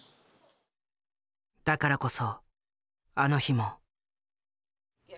だからこそあの日も。